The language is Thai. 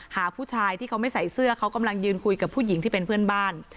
หาผู้ชายที่เขาไม่ใส่เสื้อเขากำลังยืนคุยกับผู้หญิงที่เป็นเพื่อนบ้าน